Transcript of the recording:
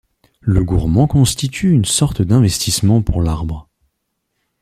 Le gourmand constitue une sorte d'investissement pour l'arbre.